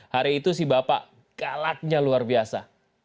hari itu si bapak galaknya luar biasa